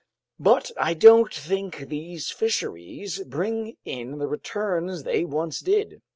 "But I don't think these fisheries bring in the returns they once did.